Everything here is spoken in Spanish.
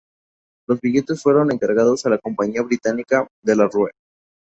Los billetes fueron encargados a la compañía británica "De la Rue".